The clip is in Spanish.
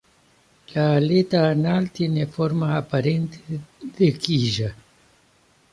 La aleta anal tiene forma aparente de quilla.